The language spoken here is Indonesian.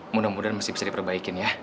mudah mudahan masih bisa diperbaikin ya